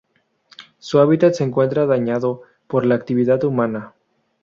Su hábitat se encuentra dañado por la actividad humana.